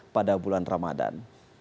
pada bulan ramadan